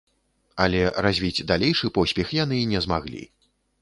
Але развіць далейшы поспех яны не змаглі.